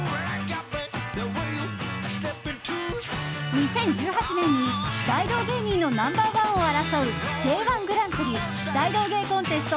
２０１８年に大道芸人のナンバー１を争う芸王グランプリ大道芸コンテスト